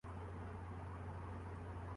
اس فکر میں رہنے کیلئے۔